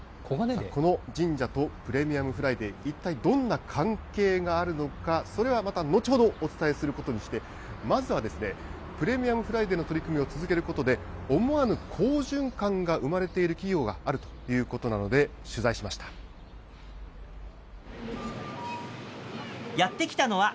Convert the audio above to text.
この神社とプレミアムフライデー、一体どんな関係があるのか、それはまた後ほどお伝えすることにして、まずはですね、プレミアムフライデーの取り組みを続けることで、思わぬ好循環が生まれている企業があるということなので、取材しやって来たのは、